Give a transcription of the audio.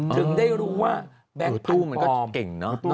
ถึงได้รู้ว่าแบงค์ตู้มันก็เก่งเนอะ